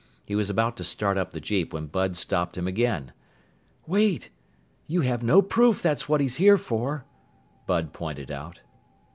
He was about to start up the jeep when Bud stopped him again. "Wait! You have no proof that's what he's here for," Bud pointed out.